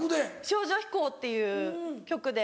『少女飛行』っていう曲で。